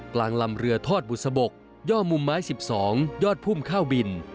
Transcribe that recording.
กลางลำเรือทอดบุษบกย่อมุมไม้๑๒ยอดพุ่มข้าวบิน